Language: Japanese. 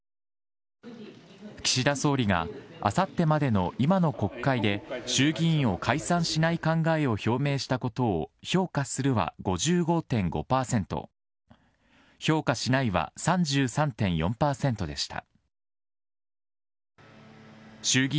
岸田総理が、あさってまでの今の国会で衆議院を解散しない考えを表明したことを評価するは５５．５％、評価しないは３３．４％でした。